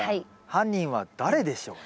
犯人は誰でしょう？